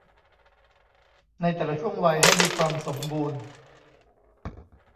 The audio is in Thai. ในแต่ละช่วงวัยให้มีความสมบูรณ์